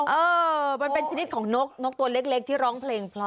เออมันเป็นชนิดของนกนกตัวเล็กที่ร้องเพลงเพราะ